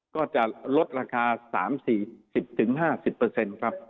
ก็จะลดราคา๓๔๑๐๕๐เปอร์เซ็นต์ครับ